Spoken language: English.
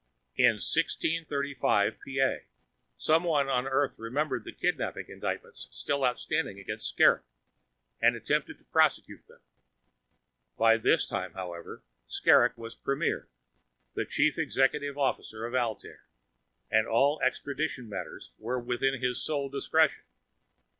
In 1635 P.A., someone on Earth remembered the kidnapping indictments still outstanding against Skrrgck and attempted to prosecute them. By this time, however, Skrrgck was Premier, the chief executive officer of Altair, and all extradition matters were within his sole discretion.